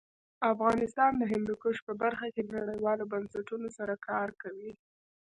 افغانستان د هندوکش په برخه کې نړیوالو بنسټونو سره کار کوي.